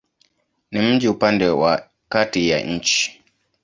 Ni mji upande wa kati ya nchi.